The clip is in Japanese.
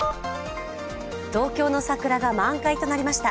東京の桜が満開となりました。